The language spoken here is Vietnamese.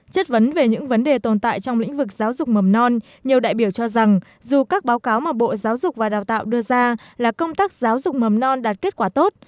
chất vấn về những vấn đề tồn tại trong lĩnh vực giáo dục mầm non nhiều đại biểu cho rằng dù các báo cáo mà bộ giáo dục và đào tạo đưa ra là công tác giáo dục mầm non đạt kết quả tốt